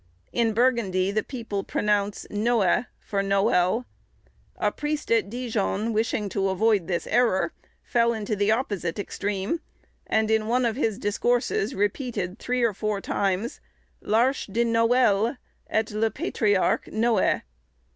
In Burgundy the people pronounce noé for noël. A priest at Dijon, wishing to avoid this error, fell into the opposite extreme, and in one of his discourses repeated three or four times, "l'Arche de noël, et le patriarche Noé."